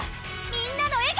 みんなの笑顔！